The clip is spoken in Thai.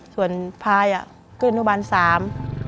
ส่วนพายก็เรียนมสาม